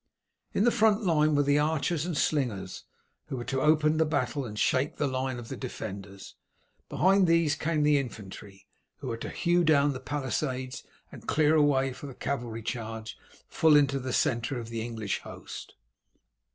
In the front line were the archers and slingers, who were to open the battle and shake the line of the defenders. Behind these came the infantry, who were to hew down the palisades and clear a way for the cavalry charge full into the centre of the English host.